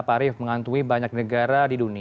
pak arief mengantui banyak negara